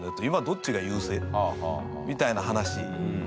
「今どっちが優勢？」みたいな話。